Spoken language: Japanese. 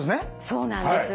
そうなんです！